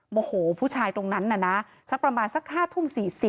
โมโหผู้ชายตรงนั้นน่ะนะสักประมาณสัก๕ทุ่ม๔๐